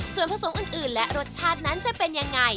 ส่วนผสมอื่นและรสชาตินั้นจะเป็นยังไง